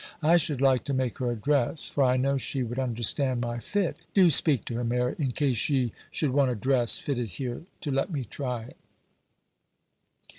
I should like to make her a dress, for I know she would understand my fit; do speak to her, Mary, in case she should want a dress fitted here, to let me try it.